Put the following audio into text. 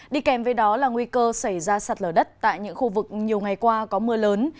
đi kèm với đó là nguy cơ xảy ra sạt lở đất tại những khu vực nhiều ngày qua có mưa lớn